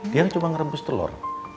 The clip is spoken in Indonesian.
dia coba ngerebus telur